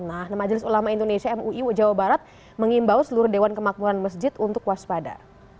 nah majelis ulama indonesia mui jawa barat mengimbau seluruh dewan kemakmuran masjid untuk waspada